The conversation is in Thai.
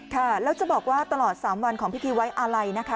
ค่ะแล้วจะบอกว่าตลอด๓วันของพิธีไว้อาลัยนะคะ